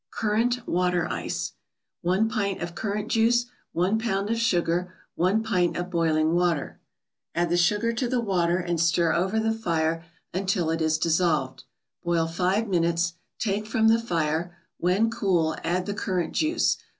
CURRANT WATER ICE 1 pint of currant juice 1 pound of sugar 1 pint of boiling water Add the sugar to the water, and stir over the fire until it is dissolved. Boil five minutes, take from the fire; when cool, add the currant juice.